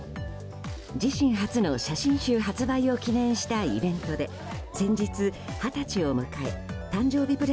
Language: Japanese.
自身初の写真集発売を記念したイベントで先日、二十歳を迎え誕生日